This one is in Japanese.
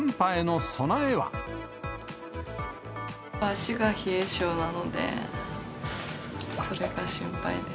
足が冷え性なので、それが心配です。